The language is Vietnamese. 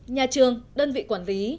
nhà trường đơn vị quản lý